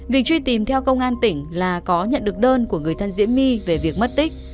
việc truy tìm theo công an tỉnh là có nhận được đơn của người thân diễm my về việc mất tích